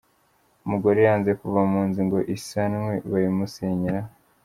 Umugore yanze kuva mu nzu ngo isanwe bayimusenyeraho